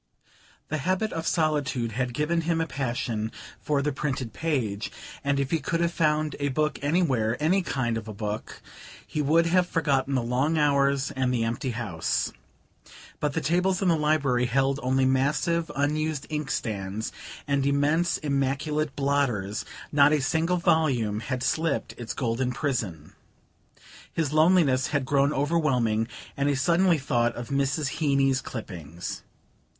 The habit of solitude had given him a passion for the printed page, and if he could have found a book anywhere any kind of a book he would have forgotten the long hours and the empty house. But the tables in the library held only massive unused inkstands and immense immaculate blotters; not a single volume had slipped its golden prison. His loneliness had grown overwhelming, and he suddenly thought of Mrs. Heeny's clippings.